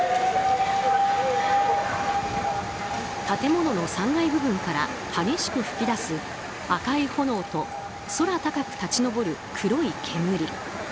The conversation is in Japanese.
建物の３階部分から激しく噴き出す赤い炎と空高く立ち上る黒い煙。